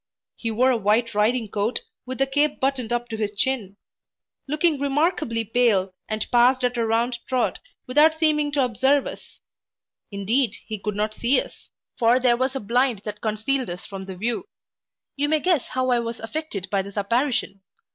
He wore a white riding coat, with the cape buttoned up to his chin; looking remarkably pale, and passed at a round trot, without seeming to observe us Indeed, he could not see us; for there was a blind that concealed us from the view. You may guess how I was affected at this apparition.